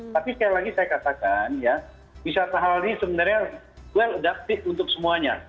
tapi sekali lagi saya katakan ya wisata halal ini sebenarnya well adoptic untuk semuanya